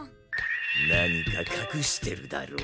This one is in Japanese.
何かかくしてるだろう？